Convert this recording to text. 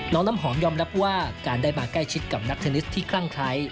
น้ำหอมยอมรับว่าการได้มาใกล้ชิดกับนักเทนนิสที่คลั่งไคร้